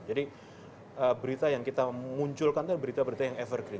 jadi berita yang kita munculkan itu berita berita yang evergreen